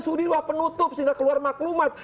sudi wah penutup sehingga keluar maklumat